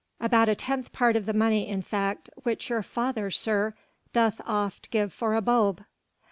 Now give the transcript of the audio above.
"About a tenth part of the money in fact which your father, sir, doth oft give for a bulb."